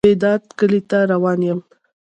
زه بیداد کلی ته روان یم.